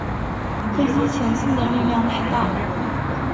飞机前进的力量太大